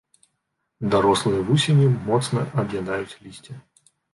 Дарослыя вусені моцна аб'ядаюць лісце.